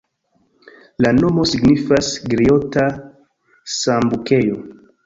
La nomo signifas griota-sambukejo.